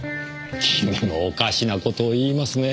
君もおかしな事を言いますねぇ。